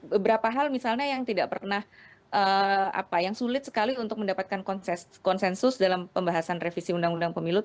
beberapa hal misalnya yang tidak pernah sulit sekali untuk mendapatkan konsensus dalam pembahasan revisi undang undang pemilu